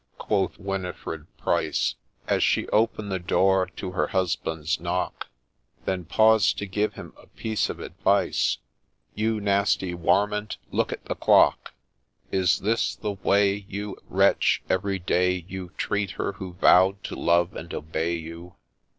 quoth Winifred Pryce, I J As she open'd the door to her husband's knock, Then paus'd to give him a piece of advice, ' You nasty Warmint, look at the Clock ! Is this the way, you Wretch, every day you Treat her who vow'd to love and obey you